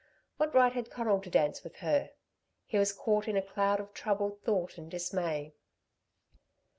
What right had Conal to dance with her? He was caught in a cloud of troubled thought and dismay.